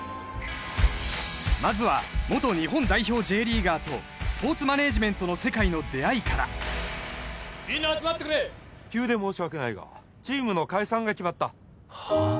まずは元日本代表Ｊリーガーとスポーツマネージメントの世界の出会いからみんな集まってくれ急で申し訳ないがチームの解散が決まったはあ？